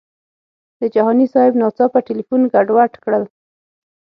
د جهاني صاحب ناڅاپه تیلفون ګډوډ کړل.